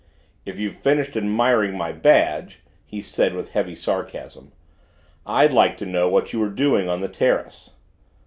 "If you've finished admiring my badge," he said with heavy sarcasm, "I'd like to know what you were doing on the terrace."